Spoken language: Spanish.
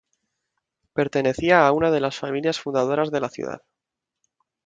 Pertenecía a una de las familias fundadoras de la ciudad.